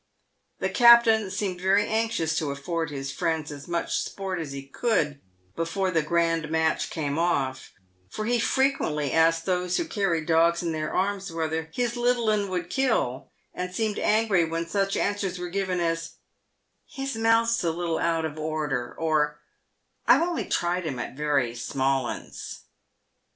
The captain seemed very anxious to afford his friends as much sport as he could before the grand match came off, for he frequently asked those who carried dogs in their arms whether " his little 'un would kill," and seemed angry when such answers were given as " His mouth's a little out of order," or " I've only tried him at very small 'uns."